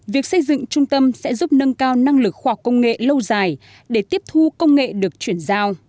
việc xây dựng trung tâm sẽ giúp nâng cao năng lực khoa học công nghệ lâu dài để tiếp thu công nghệ được chuyển giao